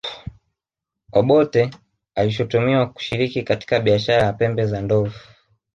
obote alishutumiwa kushiriki katika biashara ya pembe za ndovu